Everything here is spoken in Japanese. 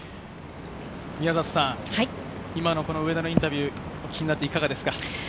宮里さん、今の上田のインタビューを聞いていかがですか？